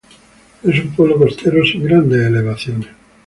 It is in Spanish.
Es un pueblo costero sin grandes elevaciones.